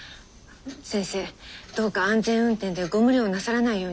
先生どうか安全運転でご無理をなさらないように。